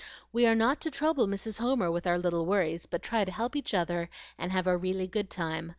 We are not to trouble Mrs. Homer with our little worries, but try to help each other and have a really good time.